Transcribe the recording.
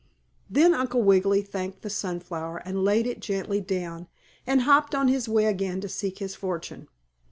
Then Uncle Wiggily thanked the sunflower, and laid it gently down, and hopped on his way again to seek his fortune.